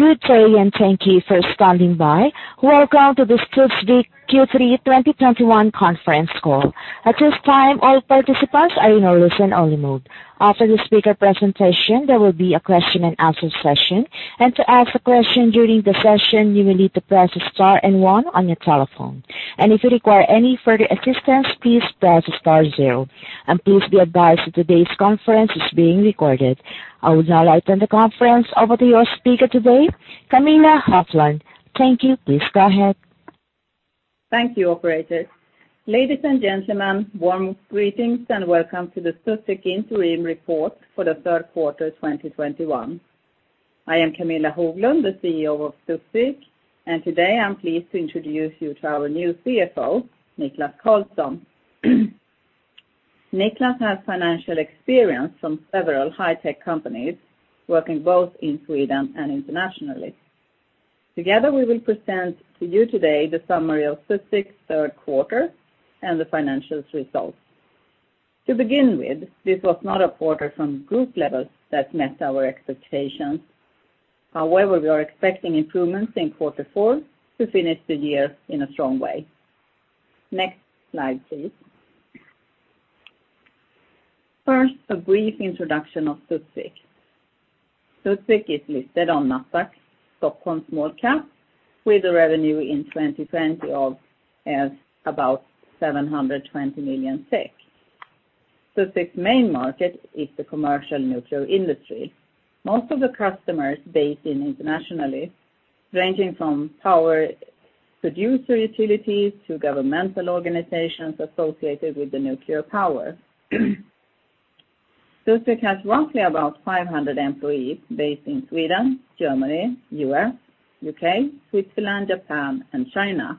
Good day, and thank you for standing by. Welcome to the Studsvik Q3 2021 conference call. At this time, all participants are in a listen-only mode. After the speaker presentation, there will be a question and answer session. And to ask a question during the session, you will need to press star and one on your telephone. And if you require any further assistance, please press star zero. And please be advised that today's conference is being recorded. I would now like turn the conference over to your speaker today, Camilla Hoflund. Thank you. Please go ahead. Thank you, operator. Ladies and gentlemen, warm greetings, and welcome to the Studsvik interim report for the third quarter 2021. I am Camilla Hoflund, the CEO of Studsvik, and today I'm pleased to introduce you to our new CFO, Niklas Karlsson. Niklas has financial experience from several high-tech companies working both in Sweden and internationally. Together, we will present to you today the summary of Studsvik's third quarter and the financials results. To begin with, this was not a quarter from group levels that met our expectations. However, we are expecting improvements in quarter four to finish the year in a strong way. Next slide, please. First, a brief introduction of Studsvik. Studsvik is listed on Nasdaq Stockholm Small Cap with a revenue in 2020 of about SEK 720 million. Studsvik's main market is the commercial nuclear industry. Most of the customers based in internationally, ranging from power producer utilities to governmental organizations associated with the nuclear power. Studsvik has roughly about 500 employees based in Sweden, Germany, U.S., U.K., Switzerland, Japan, and China.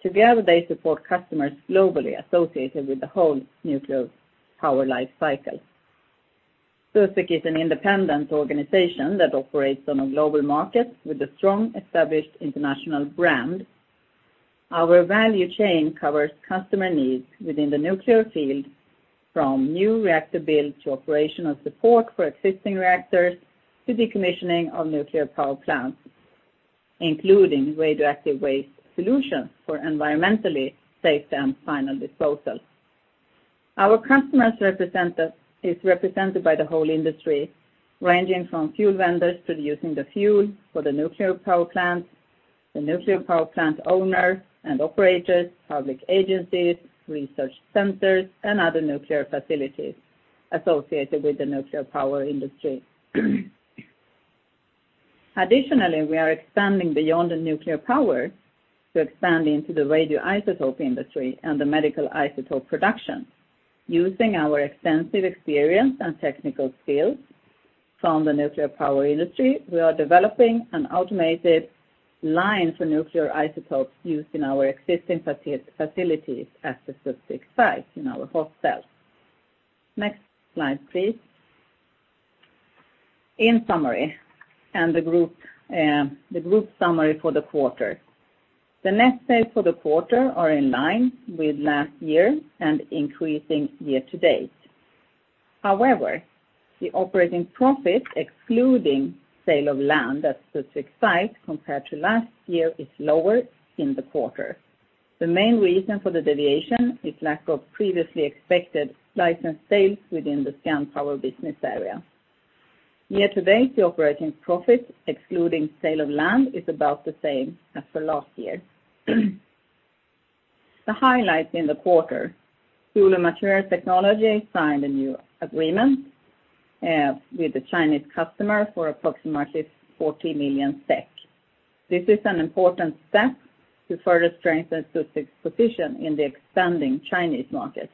Together, they support customers globally associated with the whole nuclear power life cycle. Studsvik is an independent organization that operates on a global market with a strong established international brand. Our value chain covers customer needs within the nuclear field, from new reactor build to operational support for existing reactors to decommissioning of nuclear power plants, including radioactive waste solutions for environmentally safe and final disposal. Our customers is represented by the whole industry, ranging from fuel vendors producing the fuel for the nuclear power plants, the nuclear power plant owners and operators, public agencies, research centers, and other nuclear facilities associated with the nuclear power industry. Additionally, we are expanding beyond the nuclear power to expand into the radioisotope industry and the medical isotope production. Using our extensive experience and technical skills from the nuclear power industry, we are developing an automated line for nuclear isotopes used in our existing facilities at the Studsvik site in our hot cell. Next slide, please. In summary, the group summary for the quarter. The net sales for the quarter are in line with last year and increasing year-to-date. However, the operating profit, excluding sale of land at Studsvik site compared to last year, is lower in the quarter. The main reason for the deviation is lack of previously expected license sales within the Scandpower business area. Year-to-date, the operating profit, excluding sale of land, is about the same as for last year. The highlight in the quarter, Fuel and Materials Technology signed a new agreement with the Chinese customer for approximately 40 million SEK. This is an important step to further strengthen Studsvik's position in the expanding Chinese market.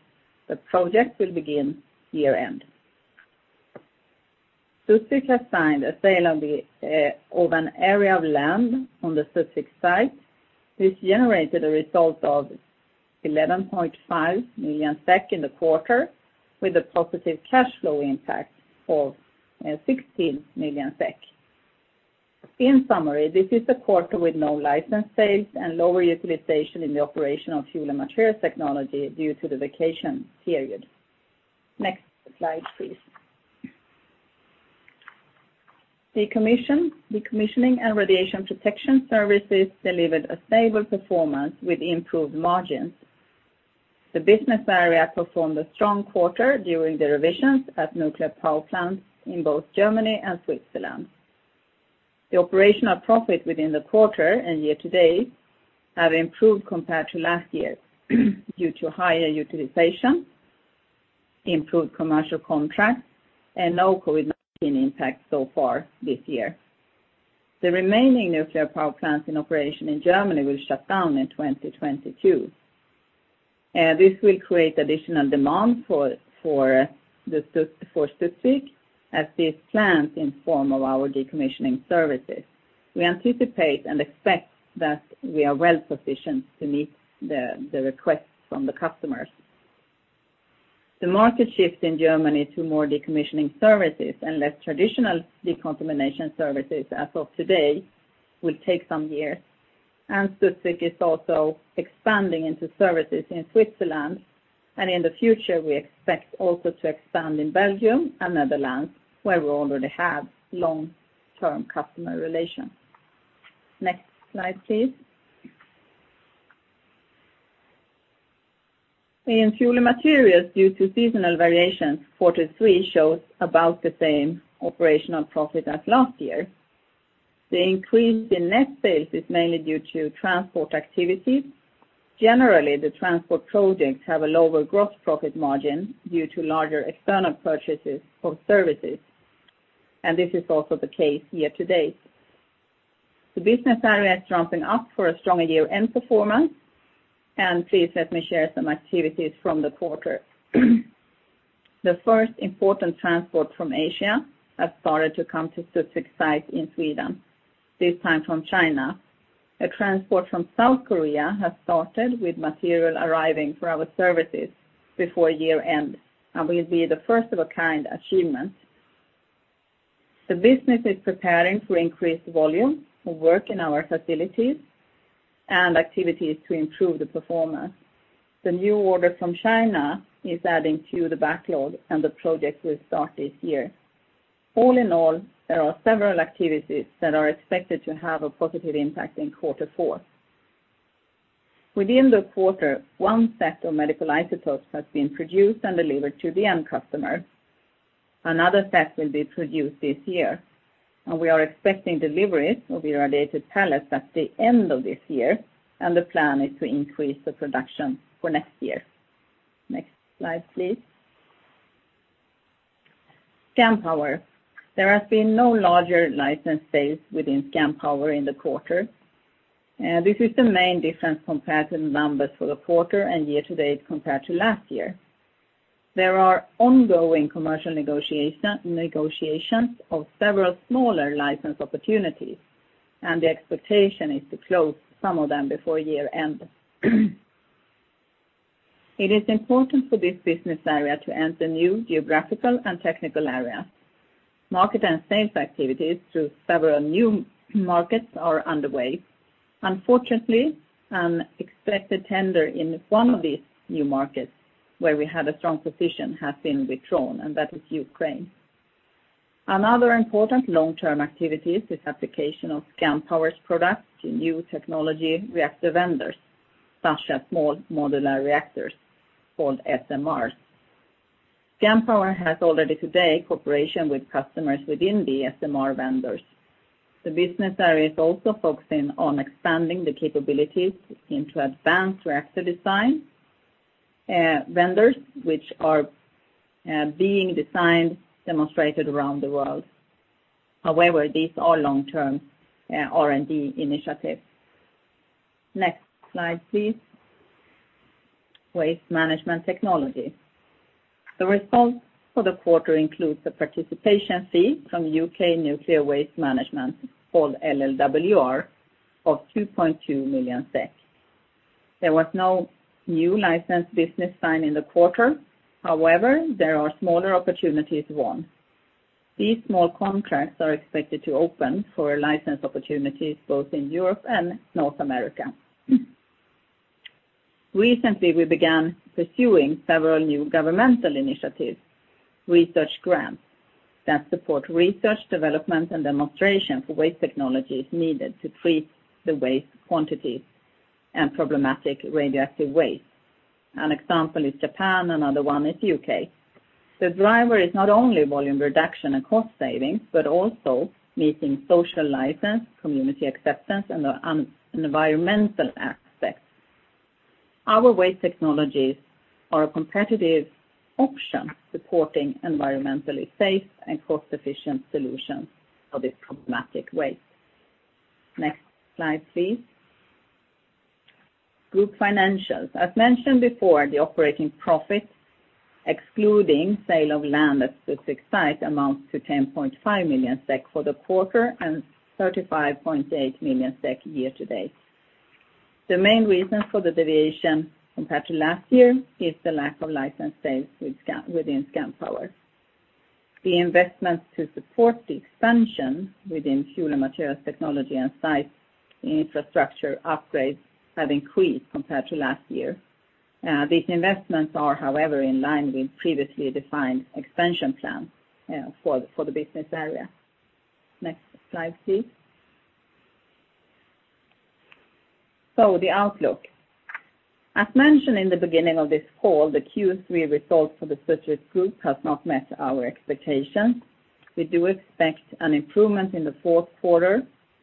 The project will begin year-end. Studsvik has signed a sale of an area of land on the Studsvik site, which generated a result of 11.5 million SEK in the quarter, with a positive cash flow impact of 16 million SEK. In summary, this is a quarter with no license sales and lower utilization in the operation of Fuel and Materials Technology due to the vacation period. Next slide, please. Decommissioning and Radiation Protection Services delivered a stable performance with improved margins. The business area performed a strong quarter during the revisions at nuclear power plants in both Germany and Switzerland. The operational profit within the quarter and year-to-date have improved compared to last year due to higher utilization, improved commercial contracts, and no COVID-19 impact so far this year. The remaining nuclear power plants in operation in Germany will shut down in 2022. This will create additional demand for Studsvik at these plants in form of our decommissioning services. We anticipate and expect that we are well-positioned to meet the requests from the customers. The market shift in Germany to more decommissioning services and less traditional decontamination services as of today will take some years. Studsvik is also expanding into services in Switzerland, and in the future, we expect also to expand in Belgium and Netherlands, where we already have long-term customer relations. Next slide, please. In Fuel and Materials, due to seasonal variations, Q3 shows about the same operational profit as last year. The increase in net sales is mainly due to transport activities. Generally, the transport projects have a lower gross profit margin due to larger external purchases for services, and this is also the case year-to-date. The business area is ramping up for a stronger year-end performance, and please let me share some activities from the quarter. The first important transport from Asia has started to come to Studsvik site in Sweden, this time from China. A transport from South Korea has started with material arriving for our services before year-end and will be the first of a kind achievement. The business is preparing to increase volume of work in our facilities and activities to improve the performance. The new order from China is adding to the backlog, and the project will start this year. All in all, there are several activities that are expected to have a positive impact in quarter four. Within the quarter, 1 set of medical isotopes has been produced and delivered to the end customer. Another set will be produced this year. We are expecting deliveries of irradiated pellets at the end of this year. The plan is to increase the production for next year. Next slide, please. Scandpower. There has been no larger license sales within Scandpower in the quarter. This is the main difference compared to the numbers for the quarter and year-to-date compared to last year. There are ongoing commercial negotiations of several smaller license opportunities. The expectation is to close some of them before year-end. It is important for this business area to enter new geographical and technical areas. Market and sales activities to several new markets are underway. Unfortunately, an expected tender in one of these new markets where we had a strong position has been withdrawn, and that is Ukraine. Another important long-term activity is application of Scandpower's product to new technology reactor vendors, such as small modular reactors called SMRs. Scandpower has already today cooperation with customers within the SMR vendors. The business area is also focusing on expanding the capabilities into advanced reactor design vendors, which are being designed, demonstrated around the world. However, these are long-term R&D initiatives. Next slide, please. Waste Management Technology. The response for the quarter includes the participation fee from U.K. Nuclear Waste Services, called LLWR, of 2.2 million SEK. There was no new license business signed in the quarter. However, there are smaller opportunities won. These small contracts are expected to open for license opportunities both in Europe and North America. Recently, we began pursuing several new governmental initiatives, research grants that support research development and demonstration for waste technologies needed to treat the waste quantities and problematic radioactive waste. An example is Japan, another one is U.K. The driver is not only volume reduction and cost savings, but also meeting social license, community acceptance, and the environmental aspects. Our waste technologies are a competitive option supporting environmentally safe and cost-efficient solutions for this problematic waste. Next slide, please. Group financials. As mentioned before, the operating profit, excluding sale of land at Studsvik site, amounts to 10.5 million SEK for the quarter and 35.8 million SEK year-to-date. The main reason for the deviation compared to last year is the lack of license sales within Scandpower. The investments to support the expansion within Fuel and Materials Technology and site infrastructure upgrades have increased compared to last year. These investments are, however, in line with previously defined expansion plans for the business area. Next slide, please. The outlook. As mentioned in the beginning of this call, the Q3 results for the Studsvik Group has not met our expectations. We do expect an improvement in the fourth quarter,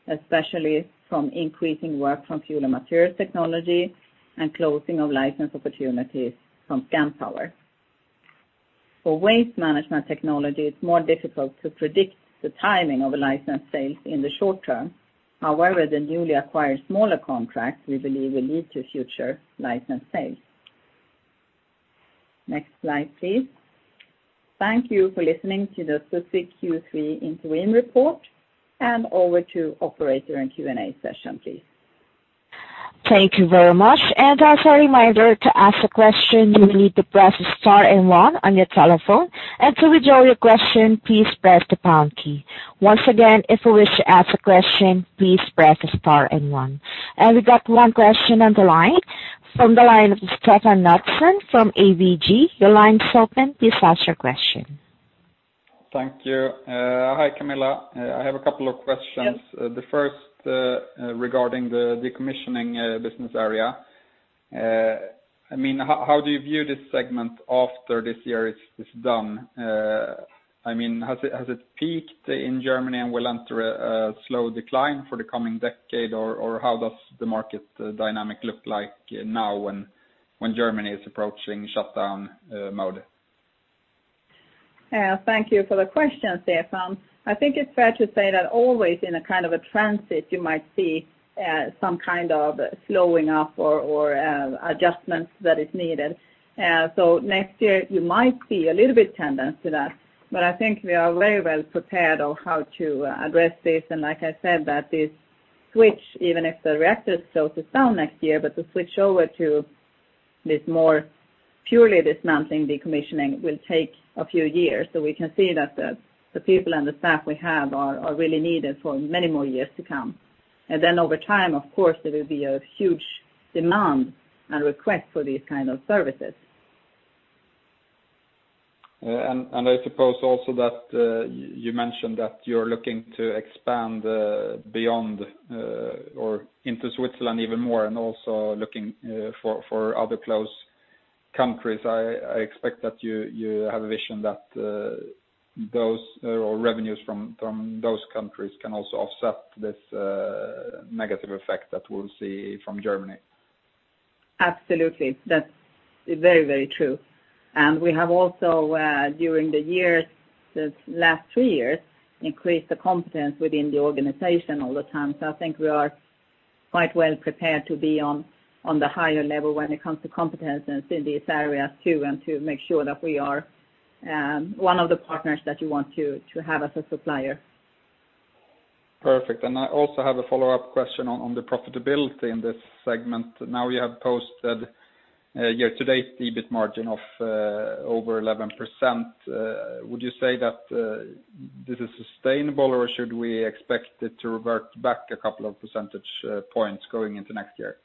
especially from increasing work from Fuel and Materials Technology and closing of license opportunities from Scandpower. For Waste Management Technology, it's more difficult to predict the timing of a license sale in the short term. However, the newly acquired smaller contracts we believe will lead to future license sales. Next slide, please. Thank you for listening to the Studsvik Q3 interim report and over to operator and Q&A session, please. Thank you very much. As a reminder, to ask a question, you will need to press star one on your telephone, and to withdraw your question, please press the pound key. Once again, if you wish to ask a question, please press star one. We got one question on the line from the line of Stefan Knutsson from ABG. Your line is open. Please ask your question. Thank you. Hi, Camilla. I have a couple of questions. Yes. The first regarding the decommissioning business area. How do you view this segment after this year is done? Has it peaked in Germany and will enter a slow decline for the coming decade, or how does the market dynamic look like now when Germany is approaching shutdown mode? Thank you for the question, Stefan. I think it's fair to say that always in a kind of a transit, you might see some kind of slowing up or adjustments that is needed. Next year you might see a little bit tendency to that. I think we are very well prepared on how to address this. Like I said that this switch, even if the reactors close down next year, but to switch over to this more purely dismantling decommissioning will take a few years. We can see that the people and the staff we have are really needed for many more years to come. Over time, of course, there will be a huge demand and request for these kind of services. I suppose also that you mentioned that you're looking to expand beyond or into Switzerland even more and also looking for other close countries. I expect that you have a vision that those, or revenues from those countries can also offset this negative effect that we'll see from Germany. Absolutely. That's very true. We have also during the years, these last three years, increased the competence within the organization all the time. I think we are quite well prepared to be on the higher level when it comes to competence in these areas too, and to make sure that we are one of the partners that you want to have as a supplier. Perfect. I also have a follow-up question on the profitability in this segment. You have posted your today's EBIT margin of over 11%. Would you say that this is sustainable, or should we expect it to revert back two percentage points going into next year?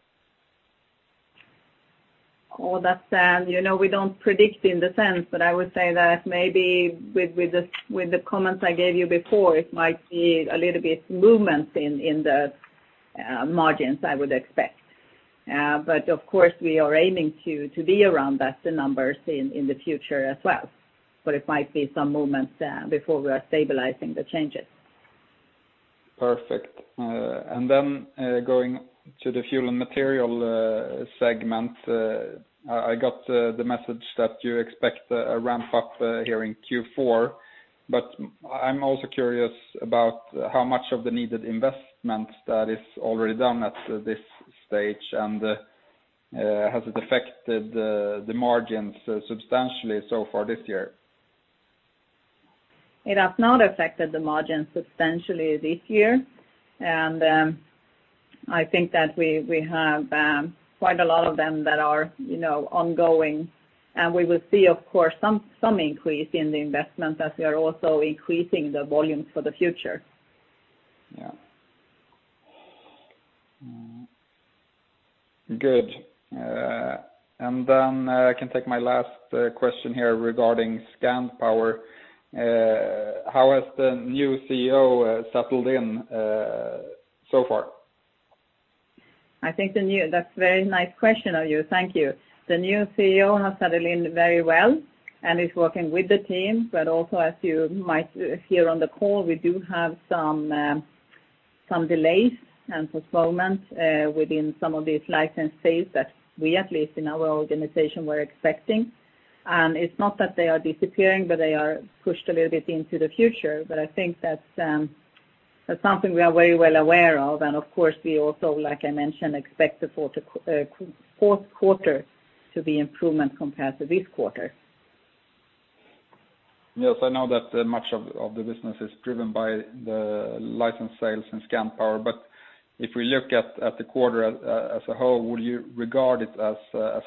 We don't predict in the sense, but I would say that maybe with the comments I gave you before, it might be a little bit movement in the margins, I would expect. Of course we are aiming to be around that, the numbers in the future as well. It might be some movement before we are stabilizing the changes. Perfect. Going to the fuel and material segment, I got the message that you expect a ramp up here in Q4, but I'm also curious about how much of the needed investment that is already done at this stage, and has it affected the margins substantially so far this year? It has not affected the margins substantially this year. I think that we have quite a lot of them that are ongoing, and we will see, of course, some increase in the investment as we are also increasing the volumes for the future. Yeah. Good. I can take my last question here regarding Scandpower. How has the new CEO settled in so far? I think that's very nice question of you, thank you. The new CEO has settled in very well and is working with the team, but also as you might hear on the call, we do have some delays and postponements within some of these license sales that we, at least in our organization, were expecting. It's not that they are disappearing, but they are pushed a little bit into the future. I think that's something we are very well aware of. Of course, we also, like I mentioned, expect the fourth quarter to be improvement compared to this quarter. Yes, I know that much of the business is driven by the license sales in Scandpower. If we look at the quarter as a whole, would you regard it as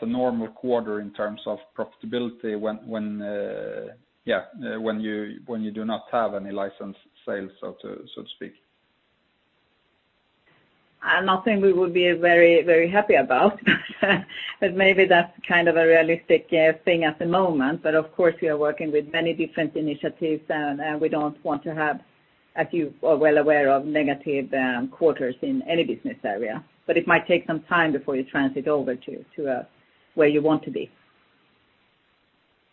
a normal quarter in terms of profitability when you do not have any license sales, so to speak? Nothing we would be very happy about. Maybe that's kind of a realistic thing at the moment. Of course we are working with many different initiatives, and we don't want to have, as you are well aware of, negative quarters in any business area. It might take some time before you transit over to where you want to be.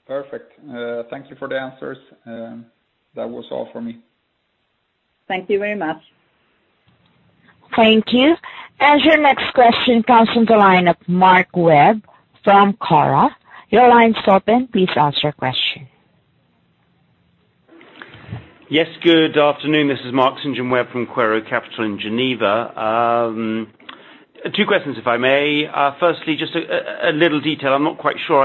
Perfect. Thank you for the answers. That was all for me. Thank you very much. Thank you. Your next question comes from the line of Marc Webb from Quaero. Your line is open. Please ask your question. Yes, good afternoon. This is Marc Saint John Webb from Quaero Capital in Geneva. Two questions if I may. Firstly, just a little detail. I'm not quite sure.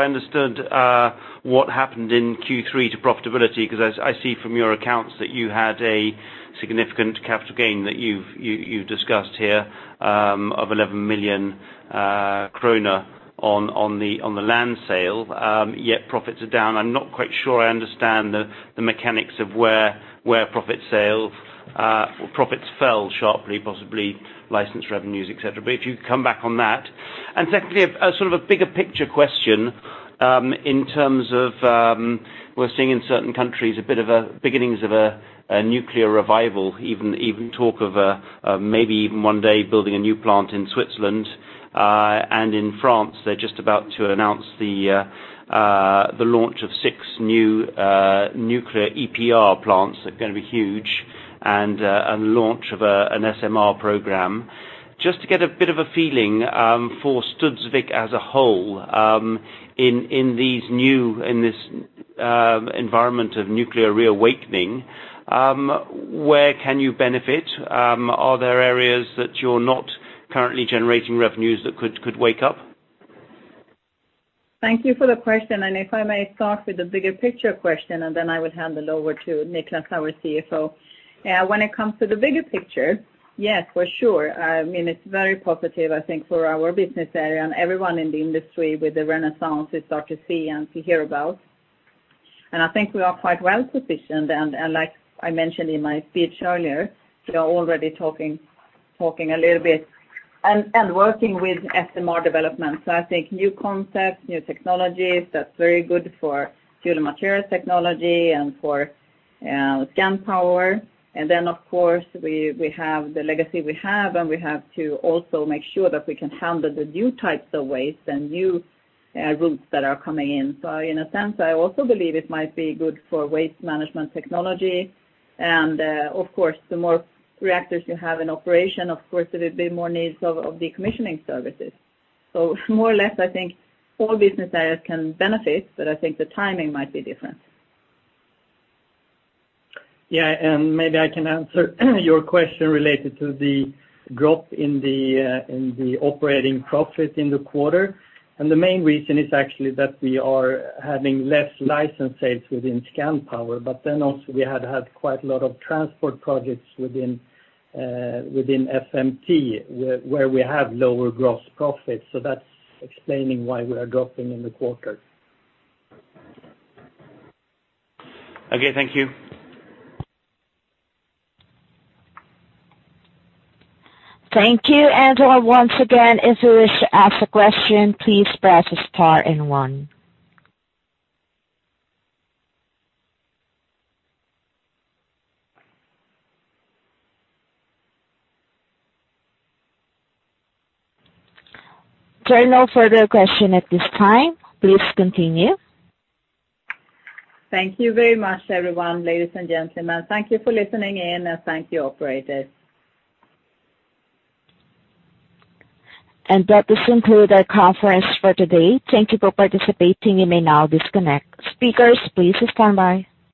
What happened in Q3 to profitability? Because as I see from your accounts that you had a significant capital gain that you've discussed here of 11 million kronor on the land sale, yet profits are down. I'm not quite sure I understand the mechanics of where profits fell sharply, possibly license revenues, et cetera. If you could come back on that. Secondly, a sort of a bigger picture question, in terms of we're seeing in certain countries a bit of a beginnings of a nuclear revival, even talk of maybe even one day building a new plant in Switzerland, and in France they're just about to announce the launch of six new nuclear EPR plants. They're going to be huge and launch of an SMR program. Just to get a bit of a feeling, for Studsvik as a whole, in this environment of nuclear reawakening, where can you benefit? Are there areas that you're not currently generating revenues that could wake up? Thank you for the question, and if I may start with the bigger picture question, and then I would hand it over to Niklas, our CFO. When it comes to the bigger picture, yes, for sure. It's very positive, I think, for our business area and everyone in the industry with the renaissance we start to see and to hear about. I think we are quite well-positioned, and like I mentioned in my speech earlier, we are already talking a little bit and working with SMR development. I think new concepts, new technologies, that's very good for Fuel and Materials Technology and for Scandpower. Of course, we have the legacy we have, and we have to also make sure that we can handle the new types of waste and new routes that are coming in. in a sense, I also believe it might be good for Waste Management Technology. of course, the more reactors you have in operation, of course, there will be more needs of decommissioning services. more or less, I think all business areas can benefit, but I think the timing might be different. Yeah, maybe I can answer your question related to the drop in the operating profit in the quarter. The main reason is actually that we are having less license sales within Scandpower, but then also we had quite a lot of transport projects within FMT, where we have lower gross profits. That's explaining why we are dropping in the quarter. Okay, thank you. Thank you, and once again, if you wish to ask a question, please press star and one. There are no further question at this time. Please continue. Thank you very much, everyone, ladies and gentlemen. Thank you for listening in, and thank you, operator. And that does conclude our conference for today. Thank you for participating. You may now disconnect. Speakers, please stand by.